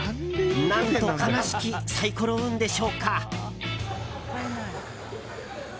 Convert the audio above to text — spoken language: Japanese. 何と悲しきサイコロ運でしょうか。